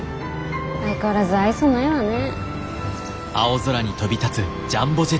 相変わらず愛想ないわね。